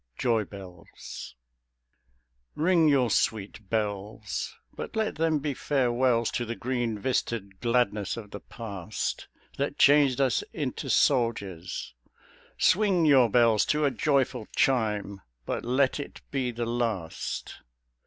1917. JOY BELLS Ring your sweet bells; but let them be farewells To the green vista'd gladness of the past That changed us into soldiers; swing your bells To a joyful chime; but let it be the last.